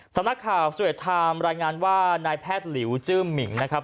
สำนักข่าวสเตอร์เทอร์ทามรายงานว่านายแพทย์หลิวจื้อมิ่งนะครับ